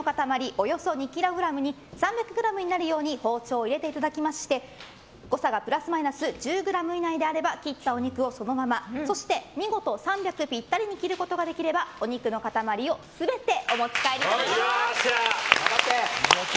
およそ２ｋｇに３００ｇになるように包丁を入れていただきまして誤差がプラスマイナス１０ｇ以内であれば切ったお肉をそのままそして見事３００ｇぴったりに切ることができればお肉の塊を全てお持ち帰りいただけます。